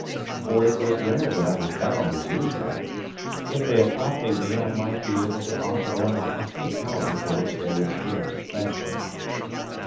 For it was there that I was bound, as usual. If they accompanied me I might be able to offer them a hospitality for which they would scarce thank me.